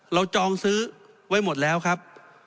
จองซื้อไว้หมดแล้วครับ